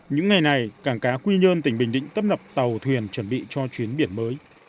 những ngày này cảng cá quy nhơn tỉnh bình định tấp nập tàu thuyền chuẩn bị cho chuyến biển mới